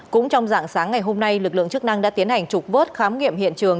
cũng trong dạng sáng ngày hôm nay lực lượng chức năng đã tiến hành trục vớt khám nghiệm hiện trường